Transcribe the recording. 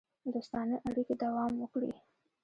دوستانه اړیکې دوام وکړي.